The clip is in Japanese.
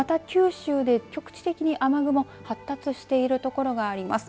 また九州で局地的に雨雲が発達している所があります。